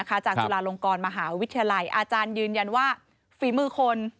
จุฬาลงกรมหาวิทยาลัยอาจารย์ยืนยันว่าฝีมือคน